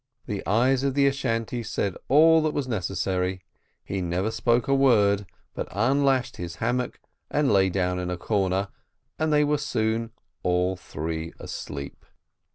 The eyes of the Ashantee said all that was necessary he never spoke a word, but unlashed his hammock and lay down in a corner, and they were soon all three asleep.